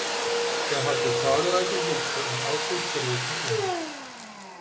Er hatte zahlreiche Sitze in Aufsichtsräten inne.